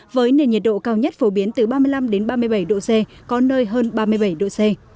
với nền nhiệt độ cao nhất phổ biến từ ba mươi năm ba mươi bảy độ c có nơi hơn ba mươi bảy độ c